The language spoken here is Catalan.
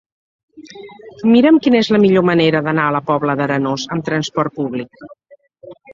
Mira'm quina és la millor manera d'anar a la Pobla d'Arenós amb transport públic.